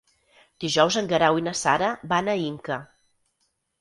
Dijous en Guerau i na Sara van a Inca.